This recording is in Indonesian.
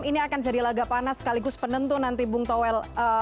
ini akan jadi laga panas sekaligus penentu nanti bung toel